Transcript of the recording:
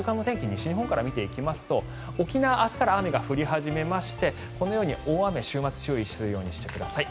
西日本から見ていきますと沖縄、明日から雨が降り始めましてこのように大雨、週末注意するようにしてください。